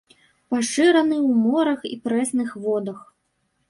Пашыраны ў морах і прэсных водах.